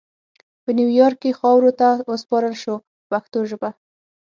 په نیویارک کې خاورو ته وسپارل شو په پښتو ژبه.